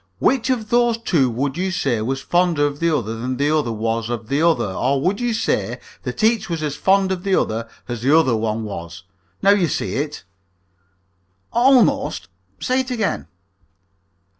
Which of those two would you say was fonder of the other than the other was of the other, or would you say that each was as fond of the other as the other one was? Now you see it." "Almost. Say it again."